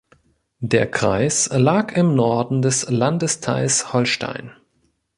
Der Kreis lag im Norden des Landesteils Holstein.